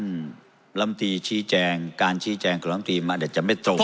วันนี้ท่านลำตีชี้แจงการชี้แจงกับลำตีมันอาจจะไม่ตรง